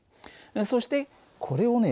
そしてこれをね